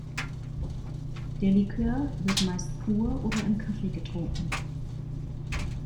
Der Likör wird meist pur oder im Kaffee getrunken.